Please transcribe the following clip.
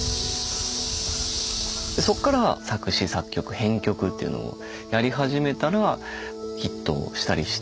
そっから作詞作曲編曲っていうのをやり始めたらヒットしたりしてですね